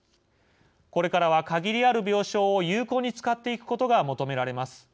これからは限りある病床を有効に使っていくことが求められます。